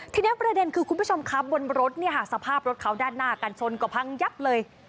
ทีนี้ประเด็นคือคุณผู้ชมครับบนรถเนี่ยค่ะสภาพรถเขาด้านหน้ากันชนก็พังยับเลย